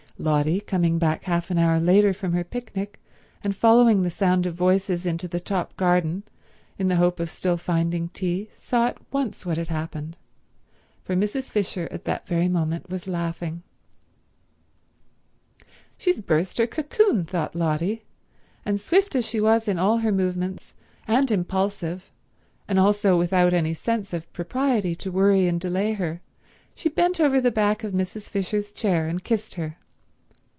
Lotty, coming back half an hour later from her picnic, and following the sound of voices into the top garden in the hope of still finding tea, saw at once what had happened, for Mrs. Fisher at that very moment was laughing. "She's burst her cocoon," thought Lotty; and swift as she was in all her movements, and impulsive, and also without any sense of propriety to worry and delay her, she bent over the back of Mrs. Fisher's chair and kissed her.